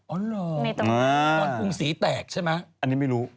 อ๋อเหรอคุณภูมิศรีแตกใช่ไหมอันนี้ไม่รู้